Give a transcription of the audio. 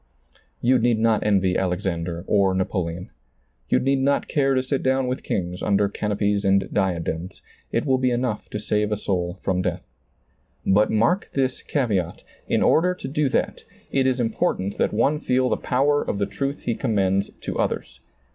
You need not envy Alexander or Napoleon. You need not care to sit down with kings under canopies and diadems — it will be enough to save a soul from death. But mark this caveat, — in order to do that, it is important that one feel the power of the truth he commends to others.